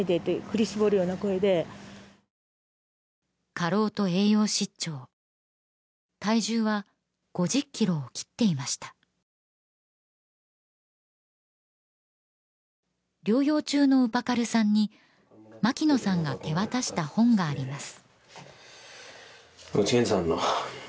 過労と栄養失調体重は５０ｋｇを切っていました療養中のウパカルさんに牧野さんが手渡した本があります